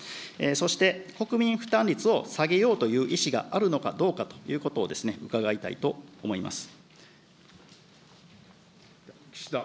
そして、国民負担率を下げようという意思があるのかどうかということを伺いたいと思います。